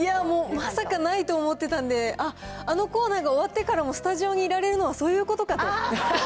まさかないと思ってたんで、あっ、あのコーナーが終わってからもスタジオにいられるのはそういうことかと。